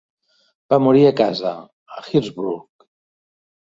Va morir a casa, a Hillsborough.